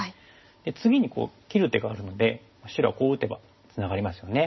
で次にこう切る手があるので白はこう打てばツナがりますよね。